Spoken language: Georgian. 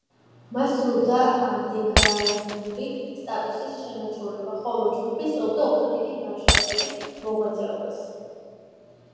მას სურდა ანდერგრაუნდული სტატუსის შენარჩუნება, ხოლო ჯგუფი ცდილობდა უფრო დიდი მასშტაბებით მოღვაწეობას.